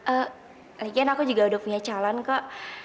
eh lagian aku juga udah punya calon kok